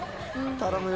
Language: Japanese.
頼むよ。